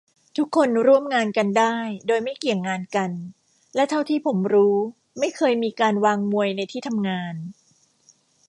ทุกคนร่วมงานกันได้โดยไม่เกี่ยงงานกัน และเท่าที่ผมรู้ไม่เคยมีการวางมวยในที่ทำงาน